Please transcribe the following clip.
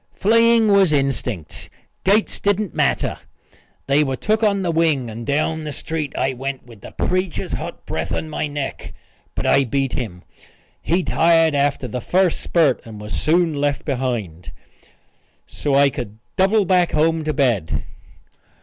Fleeing was instinct. Gates didn't matter. They were took on the wing, and down the street I went with the preacher's hot breath on my neck. But I beat him. He tired after the first spurt and was soon left behind, so I could double back home to bed.